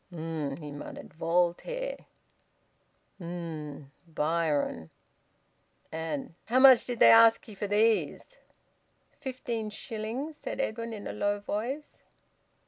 "Um!" he muttered. "Voltaire!" "Um! Byron!" And: "How much did they ask ye for these?" "Fifteen shillings," said Edwin, in a low voice.